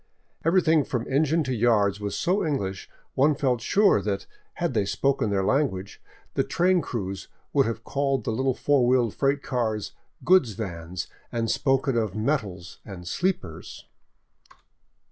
Everything from engine to yards was so English one felt sure that, had they spoken their language, the train 608 ¥ SOUTHWARD THROUGH GUARANI LAND crews would have called the little four wheeled freight cars "goods vans," and spoken of " metals " and " sleepers."